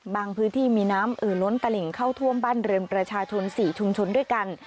พื้นที่มีน้ำเอ่อล้นตลิ่งเข้าท่วมบ้านเรือนประชาชน๔ชุมชนด้วยกัน